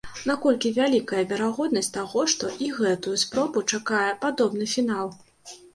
Наколькі вялікая верагоднасць таго, што і гэтую спробу чакае падобны фінал?